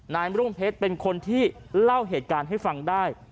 รุ่งเพชรเป็นคนที่เล่าเหตุการณ์ให้ฟังได้